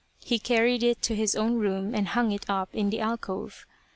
He carried it to his own room and hung it up in the alcove.